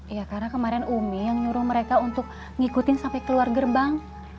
ya karena kemarin umi yang nyuruh mereka untuk ngikutin sampai keluar gerbang